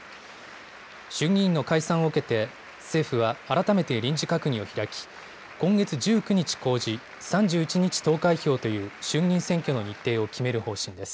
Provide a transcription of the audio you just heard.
衆議院の解散を受けて、政府は改めて臨時閣議を開き、今月１９日公示、３１日投開票という、衆議院選挙の日程を決める方針です。